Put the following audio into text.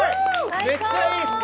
めっちゃいいっす！